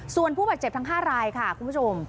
ส่วนผู้บาดเจ็บทั้ง๕รายค่ะคุณผู้ชม